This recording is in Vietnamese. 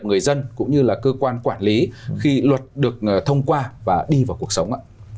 người dân cũng như là cơ quan quản lý khi luật được thông qua và đi vào cuộc sống ạ